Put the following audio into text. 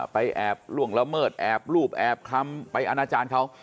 แอบล่วงละเมิดแอบรูปแอบคำไปอนาจารย์เขา